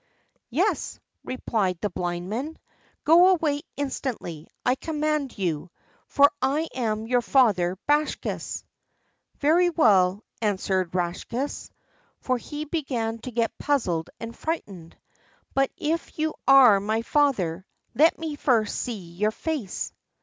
"Yes," replied the Blind Man; "go away instantly, I command you, for I am your father Bakshas." "Very well," answered the Rakshas (for he began to get puzzled and frightened); "but if you are my father, let me first see your face."